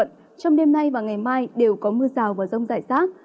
trong đêm nay và ngày mai đều có mưa rào và rông rải rác